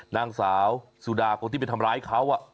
นางสาวสุดาคนที่ไปทำร้ายเขา